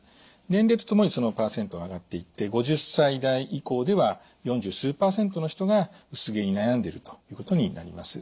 年齢とともにその％は上がっていって５０歳代以降では四十数％の人が薄毛に悩んでいるということになります。